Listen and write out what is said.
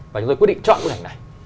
và chúng tôi quyết định chọn bức ảnh này